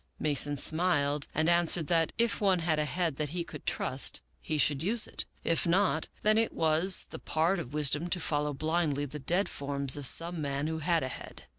Mason smiled and answered that if one had a head that he could trust he should use it ; if not, then it was the part of wisdom to follow blindly the dead forms of some man who had a head.